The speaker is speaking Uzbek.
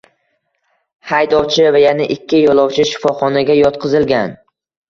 Haydovchi va yana ikki yo‘lovchi shifoxonaga yotqizilgan